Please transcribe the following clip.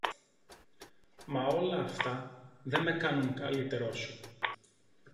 Μα όλα αυτά δε με κάνουν καλύτερο σου